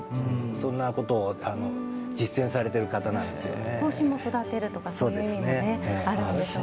そんなことを実践されている方なんですね。